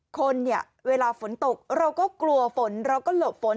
คนเนี่ยเวลาฝนตกเราก็กลัวฝนเราก็หลบฝน